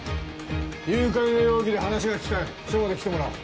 誘拐の容疑で話が聞きたい署まで来てもらう。